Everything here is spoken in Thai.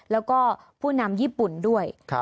แล้วก็ผู้นำญี่ปุ่นด้วย